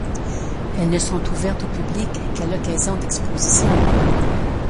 Elles ne sont ouvertes au public qu'à l'occasion d'expositions.